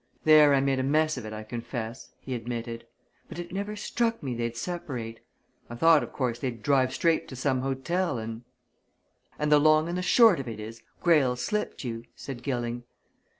"There I made a mess of it, I confess," he admitted. "But it never struck me they'd separate. I thought, of course, they'd drive straight to some hotel, and " "And the long and the short of it is, Greyle's slipped you," said Gilling.